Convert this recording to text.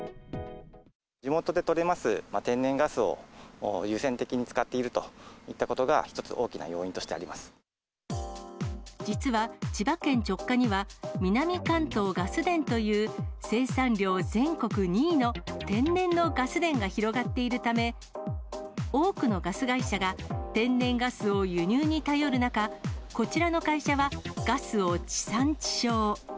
地元で取れます天然ガスを優先的に使っているといったことが実は、千葉県直下には、南関東ガス田という生産量全国２位の天然のガス田が広がっているため、多くのガス会社が、天然ガスを輸入に頼る中、こちらの会社はガスを地産地消。